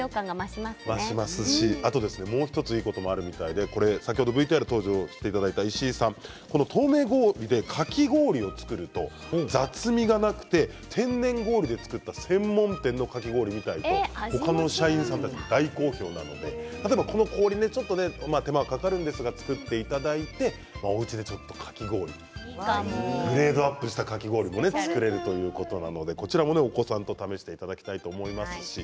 もう１ついいことがあるみたいでＶＴＲに登場していただいた石井さん、この透明氷でかき氷を作ると雑味がなくて、天然氷で作った専門店のかき氷みたいと他の社員さんたちから大好評でこの氷、手間はかかるんですが作っていただいておうちで、ちょっとグレードアップしたかき氷を作れるということなのでお子さんと試していただきたいと思います。